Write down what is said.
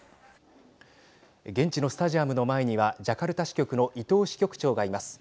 現地のスタジアムの前にはジャカルタ支局の伊藤支局長がいます。